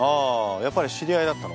やっぱり知り合いだったの？